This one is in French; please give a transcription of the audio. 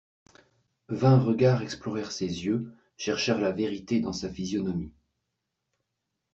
Vingt regards explorèrent ses yeux, cherchèrent la vérité dans sa physionomie.